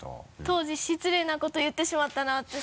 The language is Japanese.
当時失礼なこと言ってしまったなって。